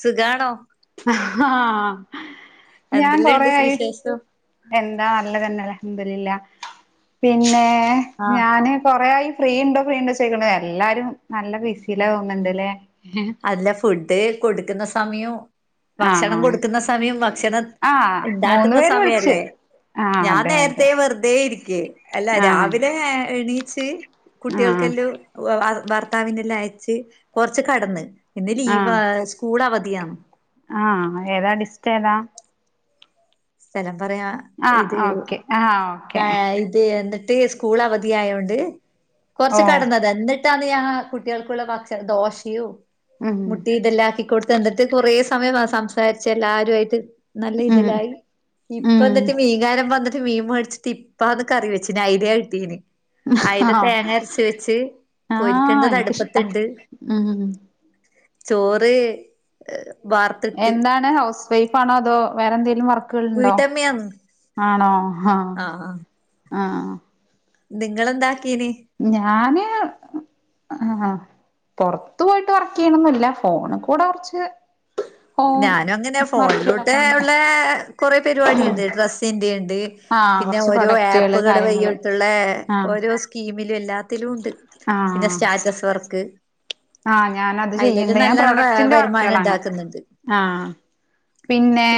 സുഖാണോ ആ ഞാൻ എന്തെല്ലാണ്ട് കൊറയായി. വിശേഷം ദുലില്ലാ പിന്നെ ആഹ് ഞാന് കൊറെയായി. ഫ്രീണ്ടോ ഫ്രീണ്ടോ ചോയ്ക്കണ് എല്ലാരും നല്ല ബിസിലാ തോന്നു ണ്ട്ല്ലേ? അല്ല ഫുഡ് കൊടുക്കുന്ന സമയം. ഭക്ഷണം ആഹ് കൊടുക്കുന്ന സമയം ഭക്ഷണം ആഹ് മൂന്ന് ണ്ടാക്കുന്ന പേര് വിളിച്ച് സമയല്ലേ? ആഹ് അതെ ഞാനേരത്തെ അതെ വെറുതെ ഇരിക്ക അല്ല ആഹ് രാവിലെ എ എണീ ച്ച് ആഹ് കുട്ടികൾക്കെല്ലു വ ഭർത്താവിനെല്ലാം അയച്ച് കൊറച്ച് കടന്ന്. ഇന്ന് ലീവാ സ്കൂളവധിയാ. ആ ഏതാ ഡിസ്റ്റേതാ? സ്ഥലം പറയാ ആഹ് ഇത് ഓക്കെ ആഹ് ഓക്കെ താ ഇത് എന്ത ട്ട് സ്കൂളവധിയായോണ്ട് ഓ കൊർച്ച് കടന്നത ന്നട്ട തണ്യാ കുട്ട്യൾക്കുള്ള ഭക്ഷ ദോശയും ഉം മുട്ടി തെല്ലാ ആക്കി കൊടുത്ത് എന്ന്ട്ട് കുറേ സമയ സംസാരിച്ച് എല്ലരുവായിട്ട് നല്ല ഉം ഇതിലായി ഇപ്പ ഉം ന്നട്ട് മീകാരം- വന്നട്ട് മീൻ മേടിച്ചട്ട് പ്പാന്ന് കറി വച്ചിന് അയലേ കിട്ടീന്. അയല ആഹ് തേങ്ങര്ച്ച് വെച്ച്. ആഹ് പൊരിക്കണ്ടത് എനിക്കിഷ്ടാ അടുപ്പത്തിണ്ട് ഉം ചോറ്- വാർത്തിട്ട് എന്താണ് ഹൗസ് വൈഫാണോ അതോ വേറെന്തെലും വർക്കുകൾണ്ടോ? ആണോ? ആ ആ. ആ. നിങ്ങളെന്താ? ഞാന്. ആ പൊറത്ത് പോയിട്ട് വർക്ക് ചെയ്യണൊന്നില്ല ഫോണ് കൂടെ കുറച്ച് ഞാനും അങ്ങനെ ഫോണിലൂടെ ഉണ്ട് ഉള്ള കൊറെ ഉം പരിപാടിണ്ട് ഡ്രസ്സിന്റെ ഉണ്ട് ആഹ് പിന്നെ കൊറച്ച് ഓരോ പ്രൊഡക്റ്റുകള് ആപ്പുകൾ കാര്യങ്ങള് വഴിയിട്ടുള്ള ആഹ് ഓരോ സ്കീമിൽ എല്ലാത്തിലുണ്ട് പിന്നെ സ്റ്റാറ്റസ് വർക്ക്. ആ ഞാനത് ചെയ്യണ്ട് അതിലെല്ലാം ഞാ നല്ലോണം പ്രൊഡക്റ്റിന്റെ വരുമാനം വർക്കുകളാണ്. ഉണ്ടാക്കുന്നുണ്ട് ആ പിന്നെ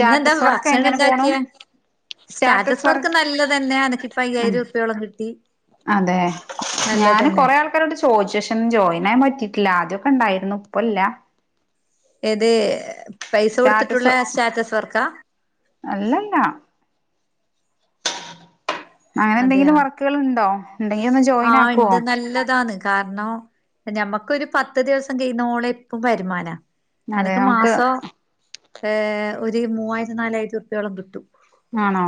ഇന്നെന്താ വർക്ക് ഭക്ഷണം എങ്ങനെ പോണു? ഉണ്ടാക്കിയ സ്റ്റാറ്റസ് വർക്ക് നല്ലതന്നെ ആഹ് എനക്ക്പ്പഅയ്യായിരർപ്യോളം കിട്ടി. അതെ ഞാൻ നല്ലതന്നെ കൊറെ ആൾക്കാരോട് ചോദിച്ച് പക്ഷെ ജോയിൻ ആവാൻ പറ്റിയിട്ടില്ല ആദ്യ ണ്ടായിരുന്നു ഇപ്പല്ല ഏത് പൈസ കൊടുത്തിട്ടുള്ള സ്റ്റാറ്റസ് വർക്കാ അല്ലല്ലാ അങ്ങനെ എന്തെങ്കിലും വർക്കുകൾ ഉണ്ടോ ഉണ്ടെങ്കി ഒന്ന് ആ ജോയിൻ ആക്കുവോ ഉണ്ട് നല്ലതാണ് കാരണം ഞമ്മക്ക് ഒരു പത്ത് ദിവസം കഴിയുന്ന ഓള ഇപ്പം വരുമാനം അതെ നമുക്ക് ഏ ഒരു മൂവായിരം നാലായിരം രൂപയോളം കിട്ടും ആണോ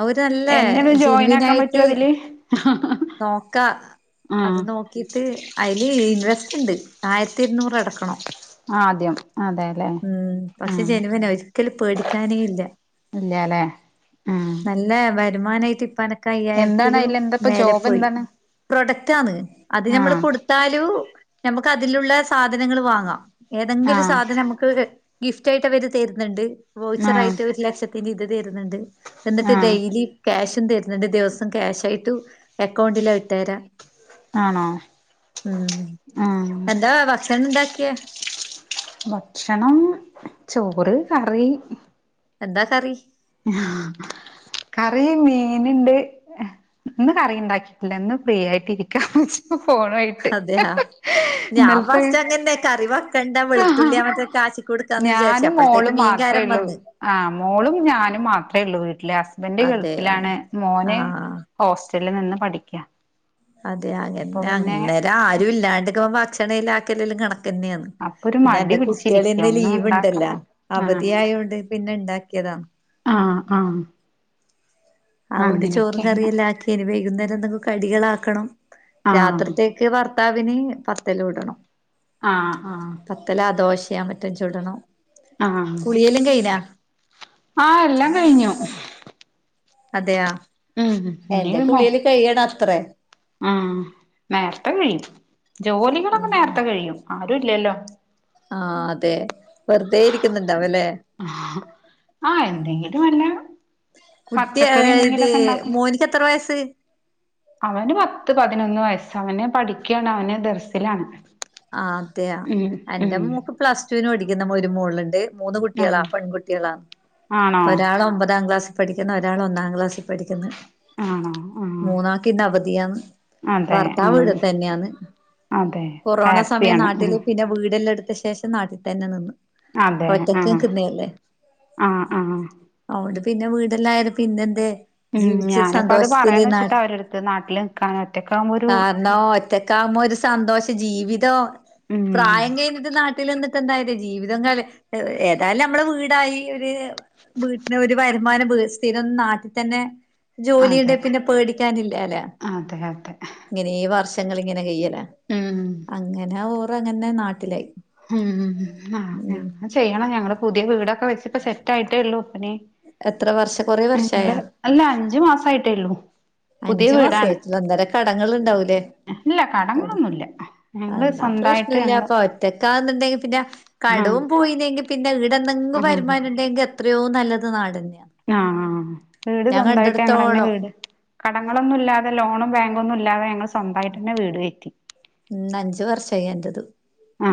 അവര് നല്ല എന്നെ ഒന്ന് ജോയിൻ ആക്കാൻ ജെനുവിനായിട്ട് പറ്റുവോ അതില് നോക്കാ അത് ആഹ് നോക്കിട്ട് അയില് രസണ്ട് ആയിരത്തി ഇരുന്നൂറ് അടക്കണം ആ ആദ്യം അതെല്ലേ മം പക്ഷെ ആഹ് ജനുവിന ഒരിക്കലും പേടിക്കാനേ ഇല്ല ഇല്ലല്ലേ എ നല്ല വരുമാനായിട്ട് പ്പോ അനക് അയ്യായിരത്തിലും എന്താ ഇപ്പൊ മേലെ ജോബ് പോയി എന്താണ് പ്രൊഡ താന്ന് അത് നമ്മള് ആഹ് കൊടുത്താലും നമുക്ക് അതിലുള്ള സാധനങ്ങൾ വാങ്ങാം ഏതെങ്കിലും ആഹ് സാധനം നമുക്ക് ഗിഫ്റ്റ് ആയിട്ട് അവര് തരുന്നുണ്ട് വൗച്ചറ ആഹ് ആയിട്ട് ഒരു ലക്ഷത്തിന്റെ ഇത് തരുന്ണ്ട് എന്നിട്ട് ആഹ് ഡെയിലി കാശ് തരുന്ണ്ട് ദിവസം ക്യാശ് ആയിട്ടു അക്കൗണ്ടില ഇട്ടേരാ ആണോ മം ആഹ് എന്താ ഭക്ഷണം ണ്ടാക്കിയെ ഭക്ഷണം ചോറ് കറി എന്താ കറി കറി മീൻണ്ട് ഇന്ന് കറി ണ്ടാക്കിയിട്ടില്ല ഇന്ന് ഫ്രീ ആയിട്ട് ഇരിക്കാംന്നു വെച്ചു ഫോണയിട്ട് അതെയാ ഞാൻ ഇന്നലത്തെ ഫസ്റ്റ് അങ്ങന്നെ കറി വെക്കണ്ട വെളുത്തുള്ളി മറ്റേ കാച്ചി കൊടുക്കാന്ന് വിചാരിച്ചു ഞാനും അപ്പഴത്തേക്ക് മോളും മാത്രേ മീൻകാരൻ ള്ളൂ വന്ന് ആ മോളും ഞാനും മാ മാത്രേള്ളൂ വീട്ടില് ഹസ്ബന്റ് അതെ അതെ ഗൾഫിലാണ് മോന് ആഹ് ഹോസ് ല്ല് നിന്ന് പഠിക്ക അതെ അപ്പൊ അങ്ങന്നാ പിന്നെ ന്നേരം ആരും ഇല്ലാണ്ട് ക്മ്പോ ഭക്ഷണം ഇതാക്കലല്ലോം കണക്ക ന്നയാണ് അപ്പൊ ഒരു പിന്നെ മടി അന്റെ കുട്ടികള് പിടിച്ചിരിക്ക ഇന്ന് ഒന്നും ലീവ് ഉണ്ടല്ലോ ഉണ്ടാക്കണം അവധിയ ആയോണ്ട് പിന്നെ ണ്ടാക്കിയതാണ് ആ ആ അതുകൊണ്ട് ചോറും കറിയെല്ലാ ആക്കി നി വൈകുന്നേരം എന്തങ്ങും കടികളാ ക്കണം ആഹ് രാത്രിത്തേക്ക് ഭർത്താവിന് പത്തല് ഉടണം ആ ആ ന്നാൻ പറ്റാ ചുടണം ആഹ് കുളിയല്ലം കയ്ന ആഹ് എല്ലാം കഴിഞ്ഞു അതെയാ ഉം എന്റെ കുളിയല്ലാം കയ്യണം അത്രേ ആ നേരത്തെ കഴിയും ഉം ജോലികളൊക്കെ നേരത്തെ കഴിയും ആരു ല്ലല്ലോ ആ അതെ വെറുതെ ഇരിക്കുന്നുണ്ടാവല്ലേ ആഹ് എന്തെങ്കിലും വല്ല കുട്ടി പച്ചക്കറി ഇത് എന്തെങ്കിലുമൊക്കെ ഉണ്ടാക്കും മോനക്ക് എത്ര വയസ്സ് അവന് പത്ത് പതിനൊന്ന് വയസ്സ് അവന് പഠിക്കാണ് അവന് ദർസിലാണ് ആ, അതെയ, ഉം ഉം എന്റെ, മോക്, പ്ലസ് ടുവിന്, പടിക്കുന്ന, ഒരു, മോൾണ്ട്. മൂന്ന്, കുട്ടികളാ, ആഹ് പെൺകുട്ടികളാ, ആണോ ഒരാൾ, ഒമ്പതാം, ക്ലാസ് പഠിക്കുന്ന, ഒരാള്, ഒന്നാം ക്ലാസ്സിൽ, പഠിക്കുന്. ആണോ ആഹ് മൂന്നാക്കിന് അവധിയാന്ന് അതെ ഭർത്താവ് ആഹ് എടത്തന്നെയന്ന് അതെ കൊറോണ സമയം ഹാപ്പിയാണ് ഉം നാട്ടില് പിന്നെ വീടെല്ലം എടുത്ത ശേഷം നാട്ടിൽ തന്നെ നിന്ന് അതെ ഒറ്റക്, ആഹ് കന്നല്ലേ, ആഹ് ആഹ് ഓണ്ട്. പിന്നെ, വീടല്ലായരേം, പിന്നെ, ന്തേ? ഉം ജീവിച്ച, ഞാനിപ്പോ അത് സന്തോഷത്തിൽ, പറയാന്ന് വെച്ചിട്ട് നാട്ട്, അവരെടുത്ത് നാട്ടില് നിക്കാൻ ഒറ്റക്കാവുമ്പോ ഒരു കാരണം, ഒറ്റക്ക, ആകുമ്പോ, ഒരു സന്തോഷം, ജീവിതവും, ഉം പ്രായം, കഴിഞ്ഞട്ട്, നാട്ട ട്ടില്, നിന്ന്ട്ടന്ത, കാര്യം, ജീവിതം, ഏതായാലും, നമ്മള്, വീടായി, ഒര്, വീട്ടീന്, ഒരു വരുമാനം, സ്ഥിരം, നാട്ടിൽത്തന്നെ ജോലിണ്ട, അതെ പിന്നെ, പേടിക്കാനില്ലാല, അതെ അതെ ഇങ്ങനെ, വർഷങ്ങൾ, ഇങ്ങനെ, കൈയല. ഉം അങ്ങനെ, ഓറങ്ങനെ, നാട്ടിലായി. മം, ഉം ചെയ്യണം, ഞങ്ങള്, പുതിയ, വീടൊക്കെ, വെച്, സെറ്റ്, ആയിട്ടേ, ഉള്ളൂ. എത്ര വർഷം കൊറേ വർഷായ നങ്ങള്, അല്ല, അഞ്ചു, മാസയിട്ടേള്ളൂ. അഞ്ചു, മാസായിട്ടുള്ളു, എന്തേരം, കടങ്ങൾ, ഉണ്ടാവൂലേ? ഇല്ല അതെ, കടങ്ങളൊന്നുല്ല ഞങ്ങള് എന്നാ, പ്രശ്നോ, സ്വന്തായിട്ട് ഞങ്ങള് ഇല്ലപ്പൊ, ഒറ്റക്കാ പിന്ന, ആഹ് കടവും, പോയിെനെങ്കി, പിന്നെ, ഇട ആഹ് വരുമാനം, ഉണ്ടെങ്കി, എത്രയോ, നല്ലത്, നാടന്നെ. ആ, ആ, വീട്, സ്വന്തമായിട്ട്, അങ്ങനെ, തന്നെ കണ്ടിടത്തോളം വീട് കടങ്ങളൊന്നും, ഇല്ലാതെ, ലോണും, ബാങ്കൊന്നും, ഇല്ലാതെ, ഞങ്ങൾ, സ്വന്തായിട്ട്ന്നെ, വീട്, കേറ്റി. ഉം, അഞ്ച്, വർഷായി, എൻറ്റത്.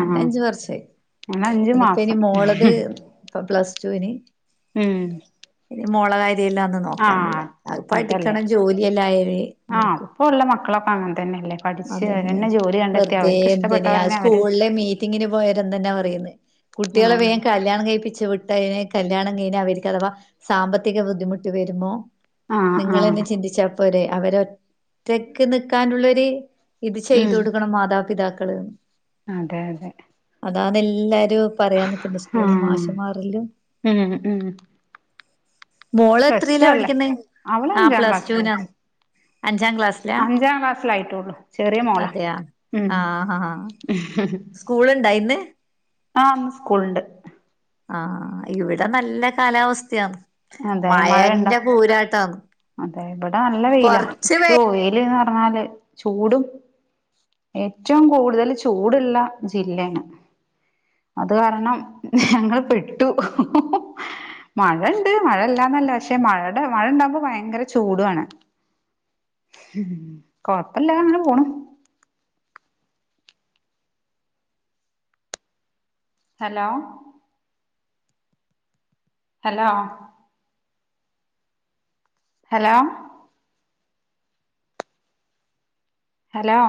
രണ്ട് അഞ്ച്, വർഷയി, അങ്ങനെ അഞ്ചു ഇനിപ്പെ, ഇനി, മാസം മോളത്, ഇപ്പ, പ്ലസ് ടുന് ഉം. ഇനി, മോളകാര്യെല്ലാന്ന്, ആഹ് നോക്കാനുള്ളേ, അത്, അതല്ലേ പഠിക്കണം, ജോലിയല്ലായി, ആഹ് നോക്കൂ ഇപ്പ ഉള്ള മക്കളൊക്കെ അങ്ങനെ തന്നെയല്ലേ പഠിച്ച് അതെന്നെ, അവരന്നെ ജോലി കണ്ടെത്തി വെറുതെ, അവർക്ക് എന്തിന്ന്, ആ, ഇഷ്ടപ്പെട്ടവരന്നെ അവര് സ്കൂളിലെ, മീറ്റിങ്ങിന്, പോയരുന്ന്ന്നാ, പറയന്ന്. കുട്ടികളെ, ആഹ് വേഗം, കല്യാണം, കഴിപ്പിച്ച്, വിട്ടെന് കല്യാണം, കഴിഞ്ഞ, അവരിക്കാഥവാ, സാമ്പത്തിക, ബുദ്ധിമുട്ട്, വരുമ്പോ, ആഹ് ആഹ് നിങ്ങൾെന്നെ, ചിന്തിച്ച പോരെ, അവരൊറ്റക്ക്, നൽക്കാനുള്ളരു, ഇത്, ചെയ്തു, ഉം കൊടുക്കണം, മാതാപിതാക്ക ക്കള്ന്ന് അതെ, അതെ. അതാന്ന്, എല്ലാരും, പറയാൻ, നിക്കുന്നു, സ്കൂൾന്, ആഹ് മാശ് മാറിലും. ഉം ഉം മോള്, പ്ലസ് എത്രല്ല, ടു അല്ലേ പഠിക്കുന്നെ?, അവള് ആ, അഞ്ചാം പ്ലസ് ക്ലാസ്സില ടുനാ. വെച്ച് അഞ്ചാം, ക്ലാസ്സിലായിട്ടുള്ളൂ, ചെറിയ, മോള, അതെയാ ഉം ഉം. സ്കൂള്, ഇണ്ട ഇന്ന്? ആ, ഇന്ന്, സ്കൂളിണ്ട്. ആ, ആ, ഇവിടെ, നല്ല, കാലാവസ്ഥയാന്ന്. അതെ, മഴ, ഇണ്ടോ? അതെ, ഇവിടെ, നല്ല വേയിലാ, കൊറച്ച് വെ യ്യോ വെൽ അതെ, ചൂടും ഏറ്റവും, കൂടുതൽ, ചൂടുള്ള, ജില്ലയിണ്. അത്, കാരണം, ഞങ്ങൾ, പെട്ടു, മകൾ ത്, മഴ ഇല്ലാന്നല്ല, പക്ഷെ, മഴയുടെ മഴ, ഇണ്ടാവകുമ്പോ, ഭയങ്കര, ചൂടുവാണ്. കൊഴപ്പല്ല, അങ്ങനെ, പോണു. ഹലോ. ഹലോ. ഹലോ. ഹലോ?